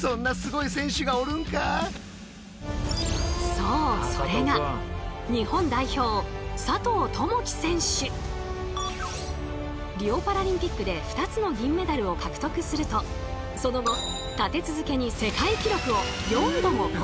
そうそれが日本代表リオパラリンピックで２つの銀メダルを獲得するとその後立て続けに世界記録を４度も更新。